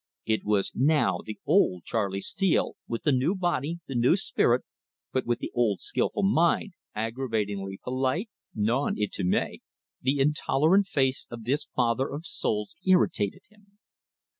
It was now the old Charley Steele, with the new body, the new spirit, but with the old skilful mind, aggravatingly polite, non intime the intolerant face of this father of souls irritated him.